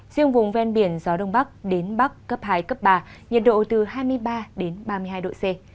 riêng vùng ven biển gió đông bắc đến bắc cấp hai cấp ba nhiệt độ từ hai mươi ba đến ba mươi hai độ c